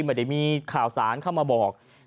ไม่ได้มีข่าวสารเข้ามาบอก